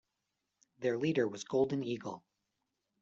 Their leader was Golden Eagle.